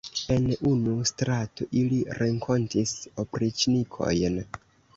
En unu strato ili renkontis opriĉnikojn.